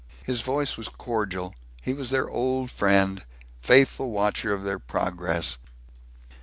His voice was cordial; he was their old friend; faithful watcher of their progress.